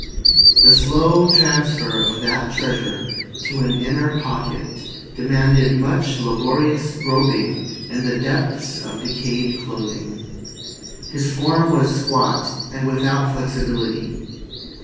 The slow transfer of that treasure to an inner pocket demanded much laborious groping in the depths of decayed clothing. His form was squat and without flexibility.